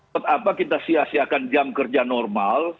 pertama kita sia siakan jam kerja normal